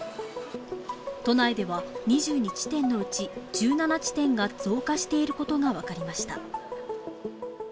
都内では２２地点のうち、１７地点が増加していることが分かりました。